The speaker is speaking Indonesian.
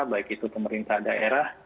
baik itu pemerintah daerah